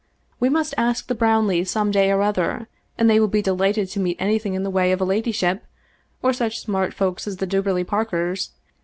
We must ask the Brownleys some day or other, and they will be delighted to meet anything in the way of a ladyship, or such smart folks as the Duberly Parkers.